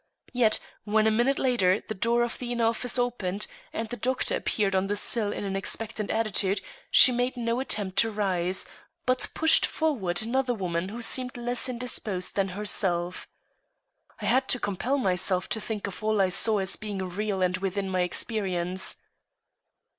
Yet when a minute later the door of the inner office opened, and the doctor appeared on the sill in an expectant attitude, she made no attempt to rise, but pushed forward another woman who seemed less indisposed than herself. I had to compel myself to think of all I saw as being real and within my experience.